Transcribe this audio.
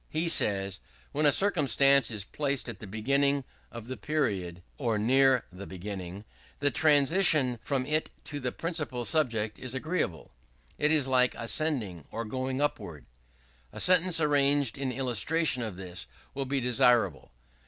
He says: "When a circumstance is placed at the beginning of the period, or near the beginning, the transition from it to the principal subject is agreeable: it is like ascending or going upward." A sentence arranged in illustration of this will be desirable.